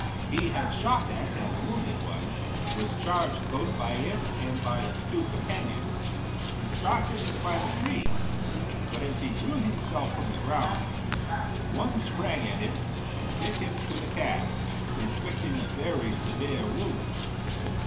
He had shot at and wounded one, was charged both by it and by its two companions, and started to climb a tree; but as he drew himself from the ground, one sprang at him and bit him through the calf, inflicting a very severe wound.